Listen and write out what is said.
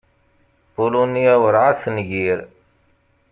Pulunya werɛad tengir.